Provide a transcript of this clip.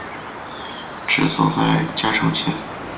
治所在嘉诚县。